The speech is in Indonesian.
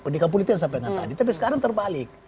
pendidikan politik yang sampai dengan tadi tapi sekarang terbalik